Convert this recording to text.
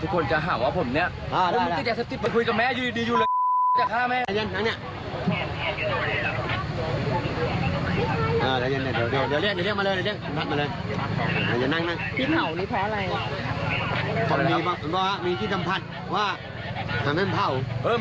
มีคนมาทำผม